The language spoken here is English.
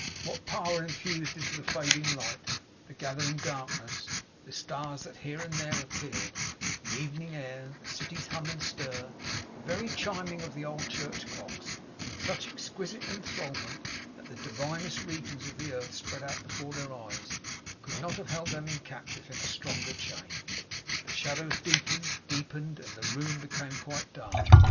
What power infused into the fading light, the gathering darkness; the stars that here and there appeared; the evening air, the City's hum and stir, the very chiming of the old church clocks; such exquisite enthrallment, that the divinest regions of the earth spread out before their eyes could not have held them captive in a stronger chain? The shadows deepened, deepened, and the room became quite dark.